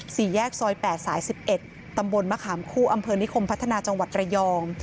สี่แยกซอย๘สาย๑๑ตำบลมะขามคู่อำเภอนิคมพัฒนาจังหวัดระยอง